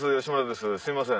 すいません。